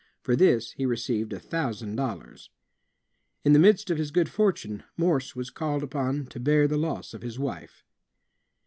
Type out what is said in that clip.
For this he received a thousand dollars. In the midst of his good fortime, Morse was called upon to bear the loss of his wife.